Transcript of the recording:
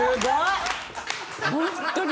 ホントに。